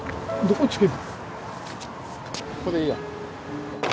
ここでいいよ。